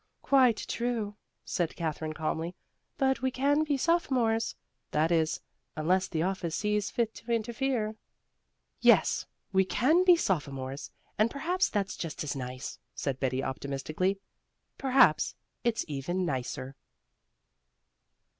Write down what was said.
"Quite true," said Katherine calmly, "but we can be sophomores that is, unless the office sees fit to interfere." "Yes, we can be sophomores; and perhaps that's just as nice," said Betty optimistically. "Perhaps it's even nicer."